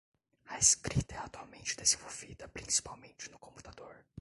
A escrita é atualmente desenvolvida principalmente no computador.